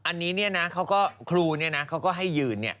อันนี้เนี่ยนะเขาก็ครูเนี่ยนะเขาก็ให้ยืนเนี่ย